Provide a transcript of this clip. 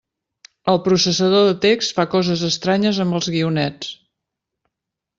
El processador de text fa coses estranyes amb els guionets.